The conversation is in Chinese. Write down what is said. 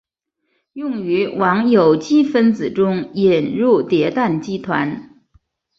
用于往有机分子中引入叠氮基团。